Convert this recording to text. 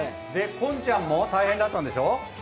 近ちゃんも大変だったんでしょ。